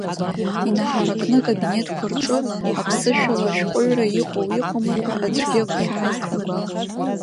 Инаҳаракны акабинетқәа рҿы, аԥсышәала ашәҟәыҩҩра иҟоу-иҟаму ҳәа аӡәгьы агәхьаа икым.